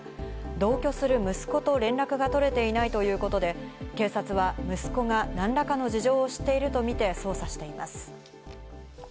同居する息子と連絡が取れていないということで、警察は息子が何らかの事情を知っているとみて捜査しています。